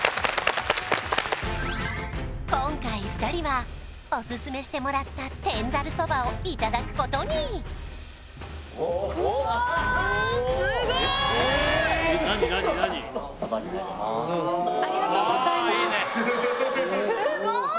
今回２人はオススメしてもらった天ざるそばをいただくことにおそばになりますありがとうございます